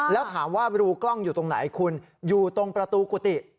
แล้วถามว่ารูกล้องอยู่ตรงไหนคุณอยู่ตรงประตูกุฏิ